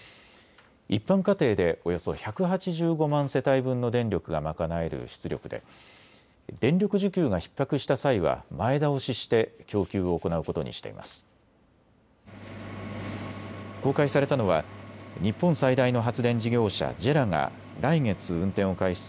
一般家庭でおよそ１８５万世帯分の電力が賄える出力で電力需給がひっ迫した際は前倒しして供給を行うことにしています。